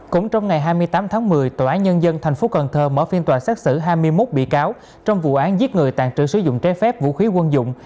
cũng trong ngày hai mươi tám tháng một mươi tòa án nhân dân tp cn mở phiên tòa xét xử hai mươi một bị cáo trong vụ án giết người tàn trữ sử dụng trái phép vũ khí quân dụng